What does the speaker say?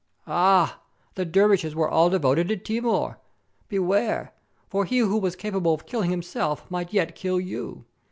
"Ah! the dervishes were all devoted to Timur. Be ware, for he who was capable of killing himself might yet kill you.